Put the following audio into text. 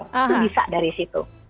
itu bisa dari situ